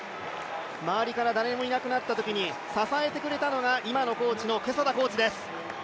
周りから誰もいなくなったときに支えてくれたのが今のコーチのコーチです。